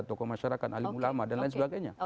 tokoh masyarakat ahli mulama dan lain sebagainya